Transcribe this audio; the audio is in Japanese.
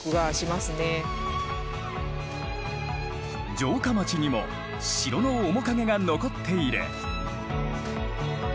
城下町にも城の面影が残っている。